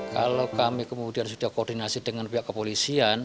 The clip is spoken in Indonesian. kalau kami kemudian sudah koordinasi dengan pihak kepolisian